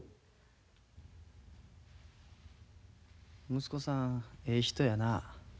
息子さんええ人やな。